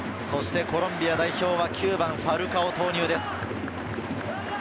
コロンビア代表は９番・ファルカオ投入です。